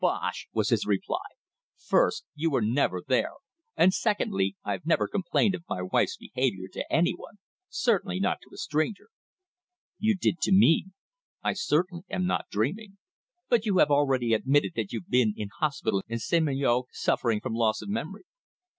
Bosh!" was his reply. "First, you were never there; and secondly, I've never complained of my wife's behaviour to anyone; certainly not to a stranger." "You did to me. I certainly am not dreaming." "But you have already admitted that you've been in hospital in St. Malo suffering from loss of memory."